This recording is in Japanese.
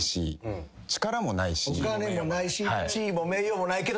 「お金もないし、地位も名誉もないけど」